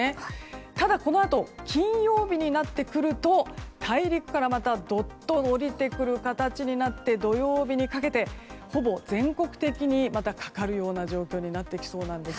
ただ、このあと金曜日になってくると大陸からどっと降りてくる形になって土曜日にかけて、ほぼ全国的にまたかかるような状況になってきそうなんです。